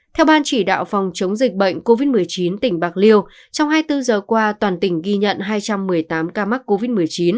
theo ban chỉ đạo phòng chống dịch bệnh covid một mươi chín tỉnh bạc liêu trong hai mươi bốn giờ qua toàn tỉnh ghi nhận hai trăm một mươi tám ca mắc covid một mươi chín